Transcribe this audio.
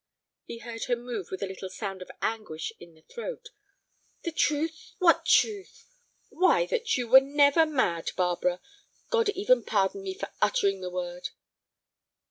He heard her move with a little sound of anguish in the throat. "The truth—what truth?" "Why, that you were never mad, Barbara; God even pardon me for uttering the word."